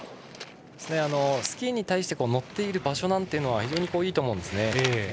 スキーに対して乗っている場所は非常にいいと思うんですよね。